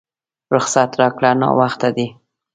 رخصت راکړه ناوخته دی!